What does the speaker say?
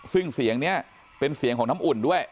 ซึ่งเสียงนี้เป็นเสียงของน้ำอุ่นด้วย